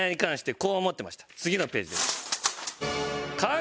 次のページです。